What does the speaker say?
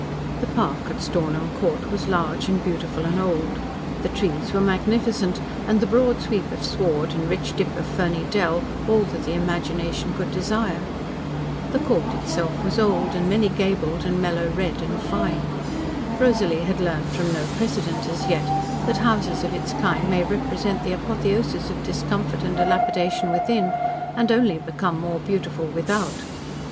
The park at Stornham Court was large and beautiful and old. The trees were magnificent, and the broad sweep of sward and rich dip of ferny dell all that the imagination could desire. The Court itself was old, and many gabled and mellow red and fine. Rosalie had learned from no precedent as yet that houses of its kind may represent the apotheosis of discomfort and dilapidation within, and only become more beautiful without.